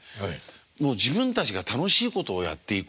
もう自分たちが楽しいことをやっていこう。